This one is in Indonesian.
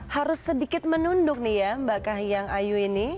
harus sedikit menunduk nih ya mbak kahiyang ayu ini